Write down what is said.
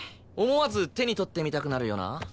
思わず手に取ってみたくなるような？